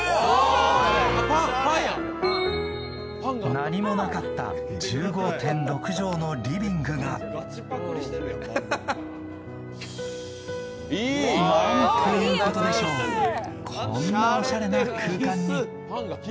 何もなかった１５．６畳のリビングがなんということでしょうこんなおしゃれな空間に。